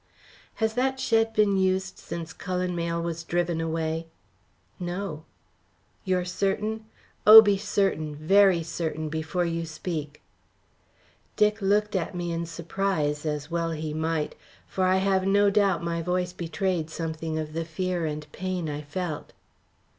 "Has that shed been used since Cullen Mayle was driven away?" "No." "You are certain? Oh, be certain, very certain, before you speak." Dick looked at me in surprise, as well he might; for I have no doubt my voice betrayed something of the fear and pain I felt.